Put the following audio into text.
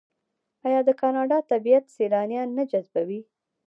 آیا د کاناډا طبیعت سیلانیان نه جذبوي؟